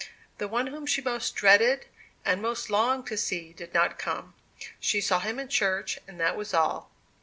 The one whom she most dreaded and most longed to see did not come. She saw him in church, and that was all.